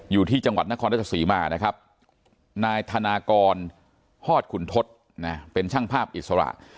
อยู่ที่จังหวัดนครราชสีมานะครับนายธนากรฮอตขุนทศเป็นช่างภาพอิสระ